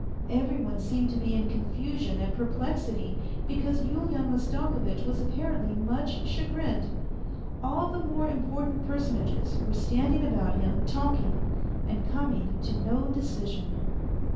Every one seemed to be in confusion and perplexity, because Yulian Mastako vitch was apparently much chagrined. All the more important personages were standing about him talking, and coming to no decision.